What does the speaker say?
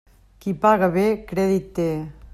Qui paga bé, crèdit té.